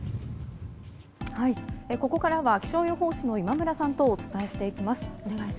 ここからは気象予報士の今村さんとお伝えしていきます。